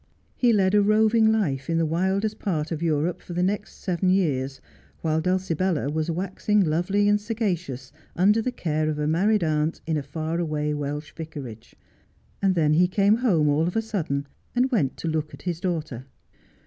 He led a roving life in the wildest part of Europe for the next seven years, while Dulcibella was waxing lovely and sagacious under the care of a married aunt in a far away Welsh vicarage ; and then he came home all of a sudden and went to look at his daughter.